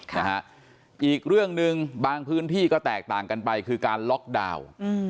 นะฮะอีกเรื่องหนึ่งบางพื้นที่ก็แตกต่างกันไปคือการล็อกดาวน์